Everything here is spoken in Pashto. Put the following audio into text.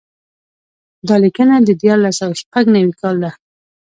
دا لیکنه د دیارلس سوه شپږ نوي کال ده.